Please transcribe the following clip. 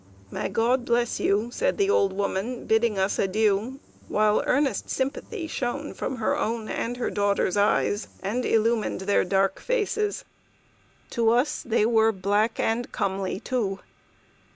"May God bless you," said the old woman, bidding us adieu, while earnest sympathy shone from her own and her daughter's eyes and illumined their dark faces. To us they were "black, and comely too."